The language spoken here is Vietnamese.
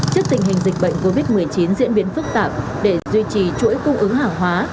trước tình hình dịch bệnh covid một mươi chín diễn biến phức tạp để duy trì chuỗi cung ứng hàng hóa